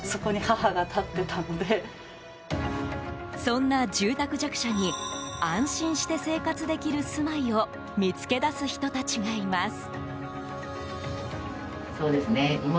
そんな住宅弱者に安心して生活できる住まいを見つけ出す人たちがいます。